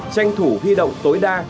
tranh thủ huy động tối đa